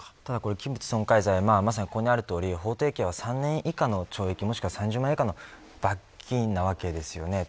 器物損壊罪、ここにあるとおり法定刑は３年以下の懲役または３０万円以下の罰金なわけですよね。